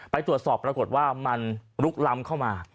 ไปตรวจสอบปรากฏว่ามันลุกล้ำเข้ามา